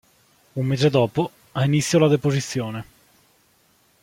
Un mese dopo, ha inizio la deposizione.